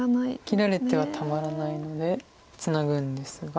切られてはたまらないのでツナぐんですが。